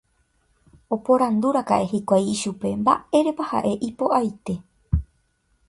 Oporandúraka'e hikuái ichupe mba'érepa ha'e ipo'aite.